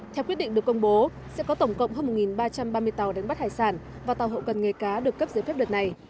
theo quyết định được công bố sẽ có tổng cộng hơn một ba trăm ba mươi tàu đánh bắt hải sản và tàu hậu cần nghề cá được cấp giấy phép đợt này